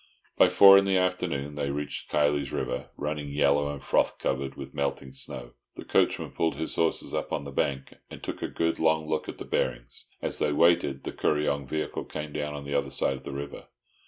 By four in the afternoon they reached Kiley's River, running yellow and froth covered with melting snow. The coachman pulled his horses up on the bank, and took a good, long look at the bearings. As they waited, the Kuryong vehicle came down on the other side of the river.